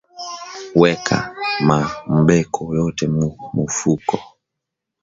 Weka ma mbeko yote mu mufuko